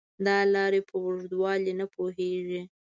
دا لارې په اوږدوالي نه پوهېږي .